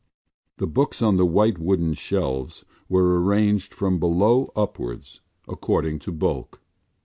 The books on the white wooden shelves were arranged from below upwards according to bulk.